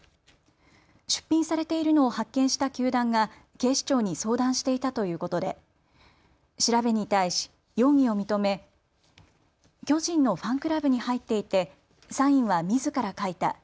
出品されているのを発見した球団が警視庁に相談していたということで調べに対し容疑を認め、巨人のファンクラブに入っていてサインはみずから書いた。